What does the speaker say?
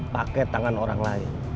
pakai tangan orang lain